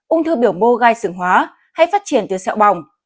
ung thư biểu mô gai sừng hóa hay phát triển từ sẹo bồng